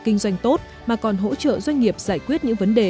kinh doanh tốt mà còn hỗ trợ doanh nghiệp giải quyết những vấn đề